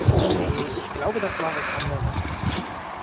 Nee, ich glaube, das war was anderes.